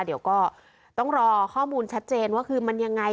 เดี๋ยวก็ต้องรอข้อมูลชัดเจนว่าคือมันยังไง